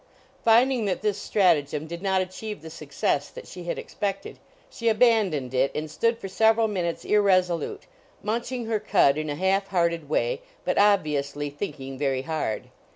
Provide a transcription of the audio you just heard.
Finding that this stratagem did not achieve the success that she had expected, she abandoned it and stood for several minutes irresolute, munching her cud in a half hearted way, but obviously thinking very hard.